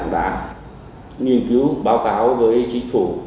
đã nghiên cứu báo cáo với chính phủ